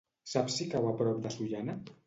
Saps si cau a prop de Sollana?